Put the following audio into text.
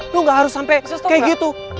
lo gak harus sampe kayak gitu